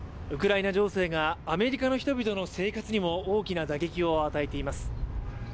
ウクライナ情勢がアメリカの人々の生活にも大きな打撃を与えています。